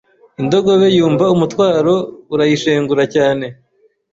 Indogobe Yumva umutwaro urayishengura cyane